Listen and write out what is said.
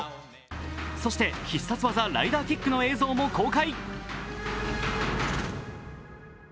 そして必殺技ライダーキックの映像も公開。